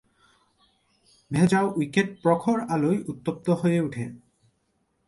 ভেজা উইকেট প্রখর আলোয় উত্তপ্ত হয়ে উঠে।